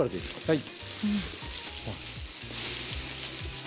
はい。